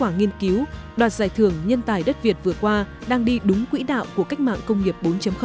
nghiên cứu đoạt giải thưởng nhân tài đất việt vừa qua đang đi đúng quỹ đạo của cách mạng công nghiệp bốn